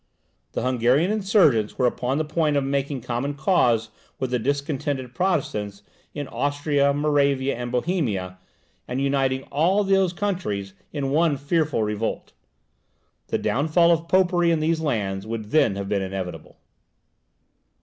The Hungarian insurgents were upon the point of making common cause with the discontented Protestants in Austria, Moravia, and Bohemia, and uniting all those countries in one fearful revolt. The downfall of popery in these lands would then have been inevitable.